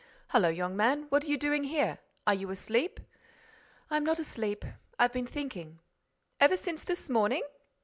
"Hullo, young man, what are you doing here? Are you asleep?" "I'm not asleep. I've been thinking." "Ever since this morning?"